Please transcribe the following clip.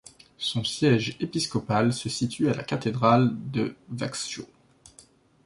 Son siège épiscopal se situe à la cathédrale de Växjö.